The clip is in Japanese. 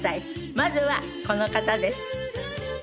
まずはこの方です。